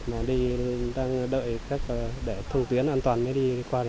đợi khách để thông tuyến an toàn mới đi qua này